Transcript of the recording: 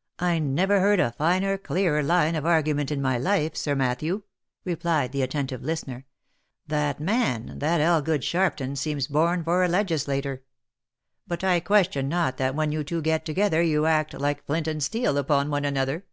" I never heard a finer, clearer line of argument, in my life, Sir Matthew," replied the attentive listener. '« That man, that Elgood Sharpton, seems born for a legislator. But I question not that when you two get together you act like flint and steel upon one another.